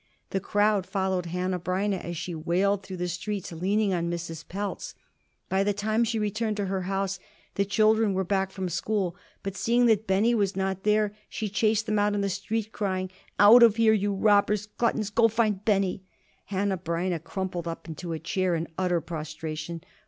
The crowd followed Hanneh Breineh as she wailed through the streets, leaning on Mrs. Pelz. By the time she returned to her house the children were back from school; but seeing that Benny was not there, she chased them out in the street, crying: "Out of here, you robbers, gluttons! Go find Benny!" Hanneh Breineh crumpled into a chair in utter prostration.